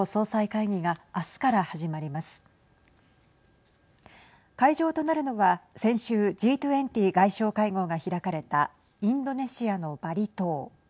会場となるのは先週、Ｇ２０外相会合が開かれたインドネシアのバリ島。